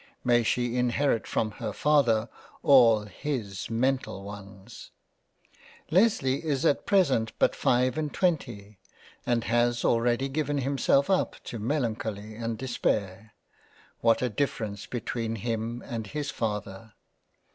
May she inherit from her Father all his mental ones ! Lesley is at present but five and twenty, and has already given himself up to melancholy and Despair ; what a difference between him and his Father